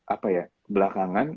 apa ya belakangan